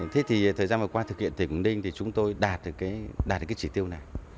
thế thì thời gian vừa qua thực hiện tỉnh quảng ninh thì chúng tôi đạt được đạt được cái chỉ tiêu này